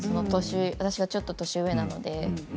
私がちょっと年上なので。